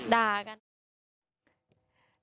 ด่ากันเหรอ